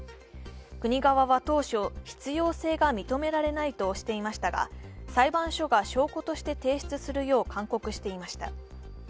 国側は当初、必要性が認められないとしていましたが裁判所が証拠として提出するよう勧告していました。